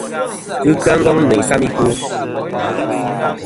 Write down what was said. Ghɨ kya Ngong nɨ isam i kwo.